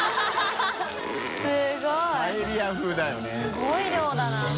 すごい量だなこれ。